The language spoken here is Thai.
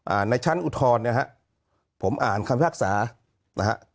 อ่าในชั้นอุทธรณ์เนี้ยฮะผมอ่านคำภาคศานะฮะ